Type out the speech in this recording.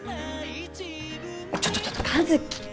ちょっとちょっと和樹！